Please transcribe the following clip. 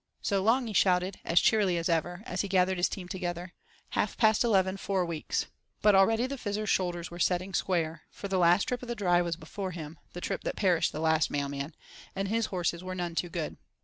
"So long!" he shouted, as cheerily as ever, as he gathered his team together. "Half past eleven four weeks." But already the Fizzer's shoulders were setting square, for the last trip of the "dry" was before him—the trip that perished the last mailman—and his horses were none too good.